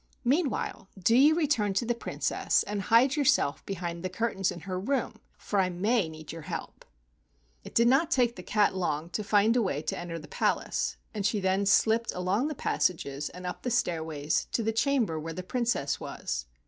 Meanwhile do you return to the Princess and hide yourself behind the curtains in her room, for I may need your help." It did not take the cat long to find a way to enter the palace, and she then slipped along the passages and up the stairways to the cham¬ ber where the Princess was.